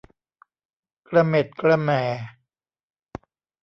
กระเหม็ดกระแหม่